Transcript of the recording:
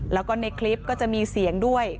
แล้วก็ในคลิปก็จะมีเสียงด้วย